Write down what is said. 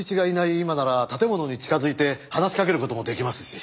今なら建物に近づいて話しかける事も出来ますし。